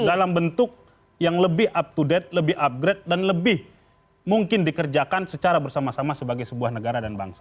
dalam bentuk yang lebih up to date lebih upgrade dan lebih mungkin dikerjakan secara bersama sama sebagai sebuah negara dan bangsa